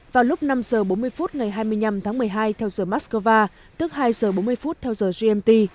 vào lúc năm h bốn mươi phút ngày hai mươi năm tháng một mươi hai theo giờ moscow tức hai h bốn mươi phút theo giờ gmt